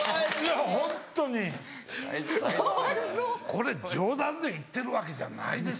・かわいそう・これ冗談で言ってるわけじゃないですからね。